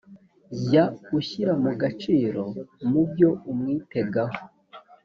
jya ushyira mu gaciro mu byo umwitegaho